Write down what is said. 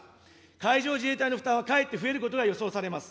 海上自衛隊の負担はかえって増えることが予想されます。